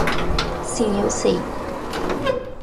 Sim eu sei.